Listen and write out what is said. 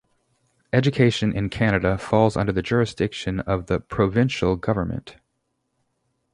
Education in Canada falls under the jurisdiction of the provincial government.